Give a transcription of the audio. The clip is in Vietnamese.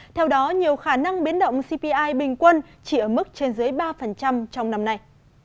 theo đó nhiều khả năng biến động cpi bình quân chỉ ở mức trên dưới ba trong năm nay